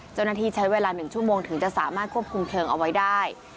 เจ้าหน้าที่ใช้เวลา๑ชั่วโมงถึงจะสามารถควบคุมเพลิงเอาไว้ได้